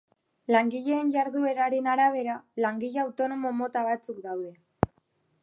Langileen jardueraren arabera, langile autonomo mota batzuk daude.